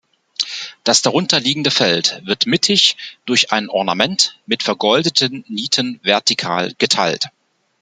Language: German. Das darunter liegende Feld wird mittig durch ein Ornament mit vergoldeten Nieten vertikal geteilt.